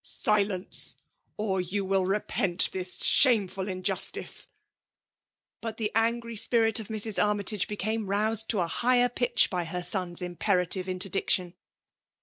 •* Sileni W you nitt repent this shamefid ioguBtioe T' But the angry spirit of Mrs. Aitafkmge became toused to a higher pitdi by her son's lA^eralive interdiction.